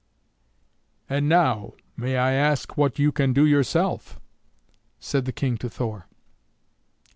"And now may I ask what you can do yourself?" said the King to Thor.